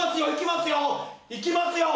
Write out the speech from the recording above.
いきますよ！